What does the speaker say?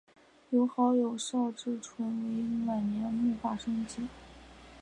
由好友邵志纯为其晚年摹划生计。